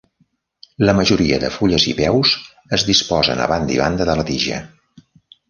La majoria de fulles i peus es disposen a banda i banda de la tija.